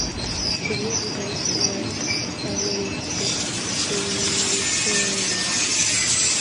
The riverbanks were lined with the deceased.